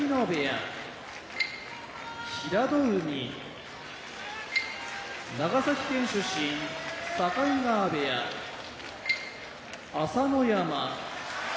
平戸海長崎県出身境川部屋朝乃山